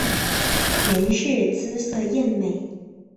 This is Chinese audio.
阎氏姿色艳美。